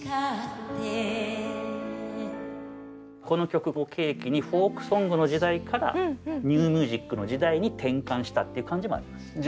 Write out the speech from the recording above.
この曲を契機にフォークソングの時代からニューミュージックの時代に転換したっていう感じもあります。